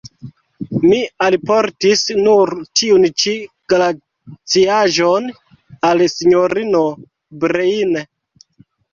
Mi alportis nur tiun ĉi glaciaĵon al sinjorino Breine.